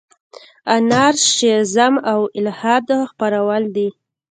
انارشیزم او الحاد خپرول دي.